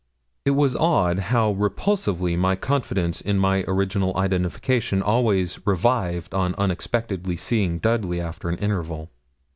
It was odd how repulsively my confidence in my original identification always revived on unexpectedly seeing Dudley after an interval.